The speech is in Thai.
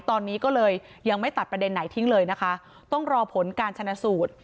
ตอนนี้ก็เลยยังไม่ตัดประเด็นไหนทิ้งเลยนะคะต้องรอผลการชนะสูตร